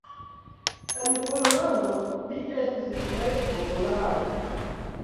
En Pollando li estis tre populara.